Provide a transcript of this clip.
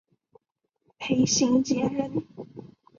裴行俭人。